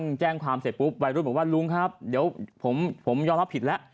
แจ้งความเสร็จปุ๊บวัยรุ่นบอกว่าลุงครับเดี๋ยวผมยอมรับผิดแล้ว